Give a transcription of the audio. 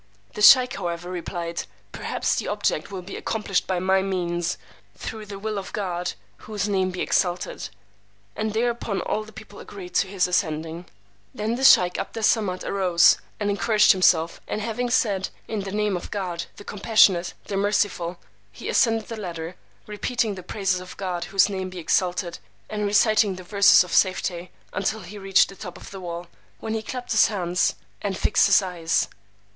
The sheykh however replied, Perhaps the object will be accomplished by my means, through the will of God, whose name be exalted! And thereupon all the people agreed to his ascending. Then the sheykh 'Abd Es Samad arose, and encouraged himself, and having said, In the name of God, the Compassionate, the Merciful! he ascended the ladder, repeating the praises of God (whose name be exalted!) and reciting the Verses of Safety, until he reached the top of the wall; when he clapped his hands, and fixed his eyes.